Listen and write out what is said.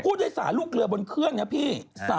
พูดได้สาลลูกเกลือบนเครื่องนะพี่